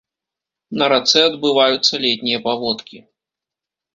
На рацэ адбываюцца летнія паводкі.